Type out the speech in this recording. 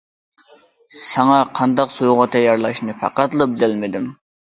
ساڭا قانداق سوۋغا تەييارلاشنى پەقەتلا بىلەلمىدىم!